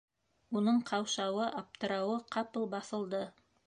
Уның ҡаушауы, аптырауы ҡапыл баҫылды.